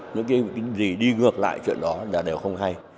những cái gì đi ngược lại chuyện đó là đều không hay